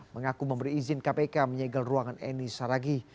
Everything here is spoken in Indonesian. mengaku memberi izin kpk menyegel ruangan eni saragih